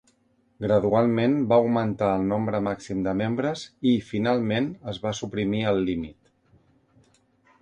Gradualment, va augmentar el nombre màxim de membres i, finalment, es va suprimir el límit.